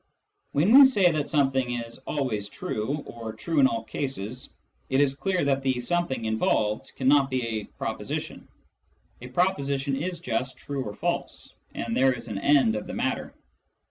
When we say that something is " always true " or " true in all cases," it is clear that the " something " involved cannot be a proposition. A proposition is just true or false, and there is an end of the matter.